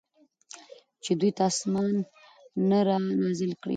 چې دوی ته د آسمان نه را نازل کړل شي